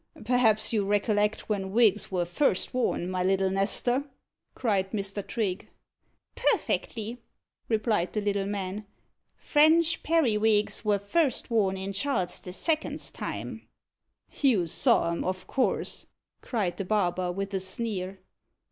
"Perhaps you recollect when wigs were first worn, my little Nestor?" cried Mr. Trigge. "Perfectly," replied the little man. "French periwigs were first worn in Charles the Second's time." "You saw 'em, of course?" cried the barber, with a sneer.